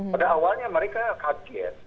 pada awalnya mereka kaget